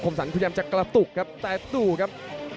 สันพยายามจะกระตุกครับแต่ดูครับ